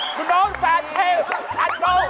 คุณโน้นแฟนเทศอันโก